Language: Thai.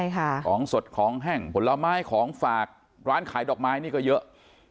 ใช่ค่ะของสดของแห้งผลไม้ของฝากร้านขายดอกไม้นี่ก็เยอะ